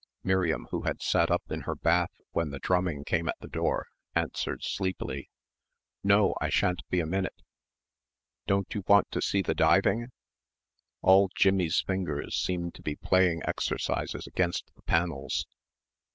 Miriam, who had sat up in her bath when the drumming came at the door, answered sleepily, "No, I shan't be a minute." "Don't you want to see the diving?" All Jimmie's fingers seemed to be playing exercises against the panels.